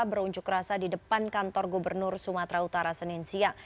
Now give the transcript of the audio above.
beruncuk rasa di depan kantor gubernur sumatera utara seninsia